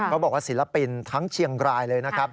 เขาบอกว่าศิลปินทั้งเชียงรายเลยนะครับ